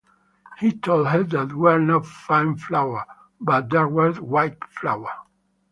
He told her that there was no fine flour, but there was white flour.